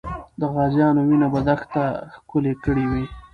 د غازیانو وینه به دښته ښکلې کړې وي.